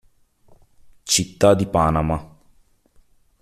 Città di Panama